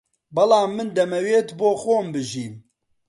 بەڵام من دەمەوێت بۆ خۆم بژیم